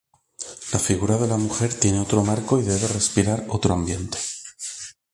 La figura de la mujer tiene otro marco y debe respirar otro ambiente".